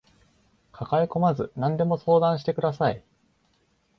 抱えこまず何でも相談してください